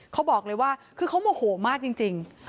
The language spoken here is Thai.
เขาบอกเลยว่าคือเขาโมโหมากจริง